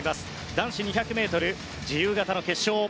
男子２００ｍ自由形の決勝。